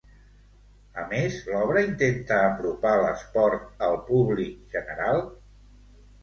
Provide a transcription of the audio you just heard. A més, l'obra intenta apropar l'esport al públic general?